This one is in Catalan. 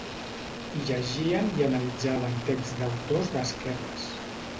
Hi llegien i analitzaven texts d'autors d'esquerres.